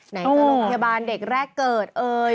ไหนจะโรงพยาบาลเด็กแรกเกิดเอ่ย